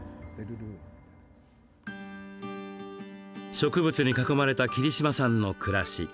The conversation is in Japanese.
植物に囲まれた桐島さんの暮らし。